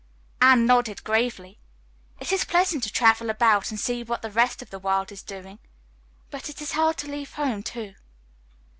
Anne nodded gravely. "It is pleasant to travel about and see what the rest of the world is doing, but it is hard to leave home, too."